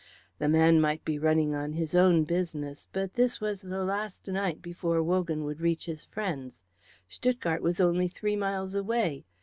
The man might be running on his own business, but this was the last night before Wogan would reach his friends. Stuttgart was only three miles away.